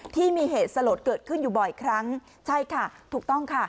ที่มีเหตุสลดเกิดขึ้นอยู่บ่อยครั้งใช่ค่ะถูกต้องค่ะ